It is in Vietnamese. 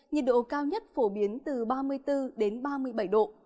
nhiệt độ cao nhất phổ biến từ ba mươi bốn đến ba mươi bảy độ